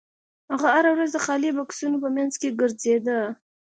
هغه هره ورځ د خالي بکسونو په مینځ کې ګرځیده